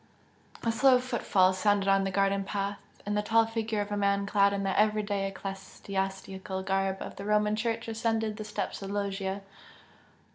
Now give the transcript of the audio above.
A slow footfall sounded on the garden path, and the tall figure of a man clad in the everyday ecclesiastical garb of the Roman Church ascended the steps of the loggia.